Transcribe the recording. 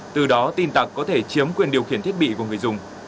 từ đó tin tặc có thể chiếm quyền điều khiển thiết bị của người dùng